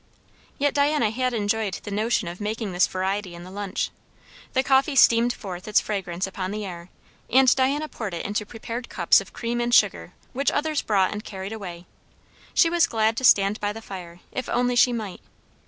Yet Diana had enjoyed the notion of making this variety in the lunch. The coffee steamed forth its fragrance upon the air; and Diana poured it into prepared cups of cream and sugar which others brought and carried away; she was glad to stand by the fire if only she might.